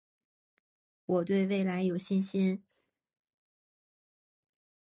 我对未来有信心